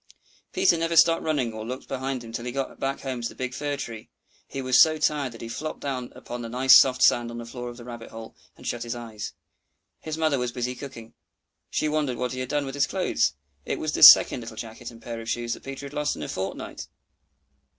Peter never stopped running or looked behind him till he got home to the big fir tree. He was so tired that he flopped down upon the nice soft sand on the floor of the rabbit hole, and shut his eyes. His mother was busy cooking; she wondered what he had done with his clothes. It was the second little jacket and pair of shoes that Peter had lost in a fortnight!